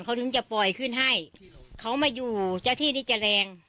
เขาถึงจะปล่อยขึ้นให้เขามาอยู่เจ้าที่นี่จะแรง